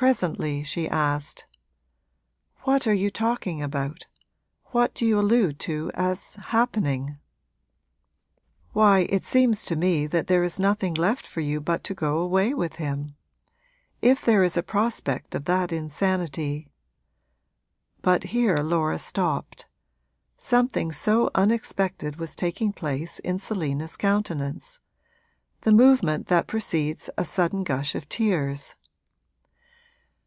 Presently she asked: 'What are you talking about what do you allude to as happening?' 'Why, it seems to me that there is nothing left for you but to go away with him. If there is a prospect of that insanity ' But here Laura stopped; something so unexpected was taking place in Selina's countenance the movement that precedes a sudden gush of tears.